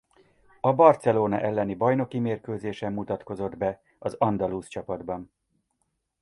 A barcelona elleni bajnoki mérkőzésen mutatkozott be az andalúz csapatban.